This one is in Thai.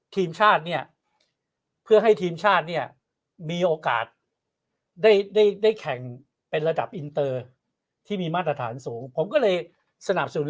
ทีมชาติเนี่ยเพื่อให้ทีมชาติเนี่ยมีโอกาสได้ได้แข่งเป็นระดับอินเตอร์ที่มีมาตรฐานสูงผมก็เลยสนับสนุน